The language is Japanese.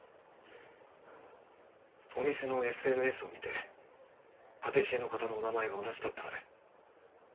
お店のＳＮＳを見てパティシエの方のお名前が同じだったので。